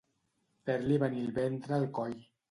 Fer-li venir el ventre al coll.